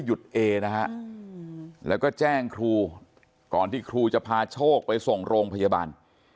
หยุดเอนะฮะแล้วก็แจ้งครูก่อนที่ครูจะพาโชคไปส่งโรงพยาบาล